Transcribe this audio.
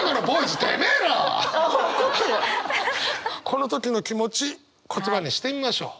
この時の気持ち言葉にしてみましょう。